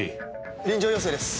臨場要請です。